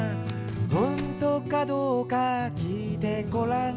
「ほんとかどうかきいてごらん」